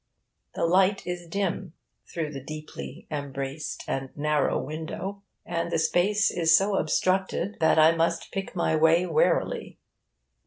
The light is dim, through the deeply embrased and narrow window, and the space is so obstructed that I must pick my way warily.